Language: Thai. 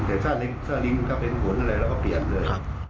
แต่ซ่าลิ้งถ้าเป็นผลอะไรเราก็เปลี่ยนเลย